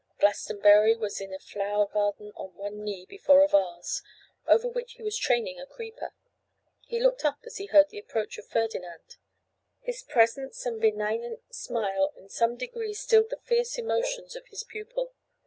Glastonbury was in the flower garden on one knee before a vase, over which he was training a creeper. He looked up as he heard the approach of Ferdinand. His presence and benignant smile in some degree stilled the fierce emotions of his pupil.